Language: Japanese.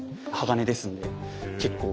鋼ですんで結構。